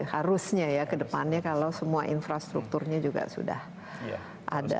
harusnya ya kedepannya kalau semua infrastruktur nya juga sudah ada